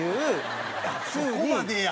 そこまでや。